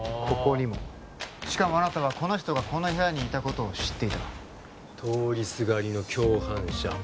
ここにもしかもあなたはこの人がこの部屋にいたことを知っていた通りすがりの共犯者